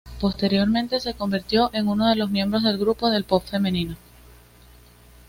Posteriormente se convirtió en uno de los miembros del grupo de pop femenino, Rev.